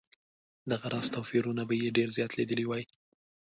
دغه راز توپیرونه به یې ډېر زیات لیدلي وای.